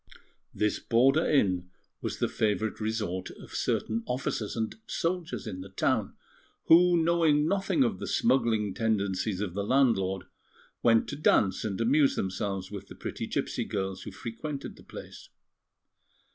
This border inn was the favourite resort of certain officers and soldiers in the town, who, knowing nothing of the smuggling tendencies of the landlord, went to dance and amuse themselves with the pretty gipsy girls who frequented the place.